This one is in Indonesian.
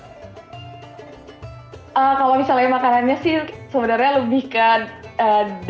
kalau misalnya makanannya sih sebenarnya lebihkan dari sini sih